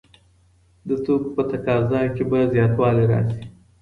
د توکو په تقاضا کي به زياتوالی راسي.